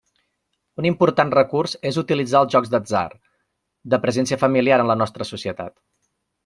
Un important recurs és utilitzar els jocs d'atzar, de presència familiar en la nostra societat.